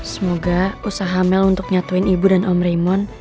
semoga usaha mel untuk nyatuin ibu dan om raymond